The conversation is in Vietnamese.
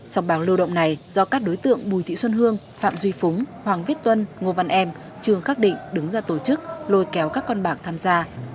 sòng bạc lưu động này do các đối tượng bùi thị xuân hương phạm duy phú hoàng viết tuân ngô văn em trương khắc định đứng ra tổ chức lôi kéo các con bạc tham gia